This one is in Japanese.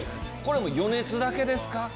余熱だけですか？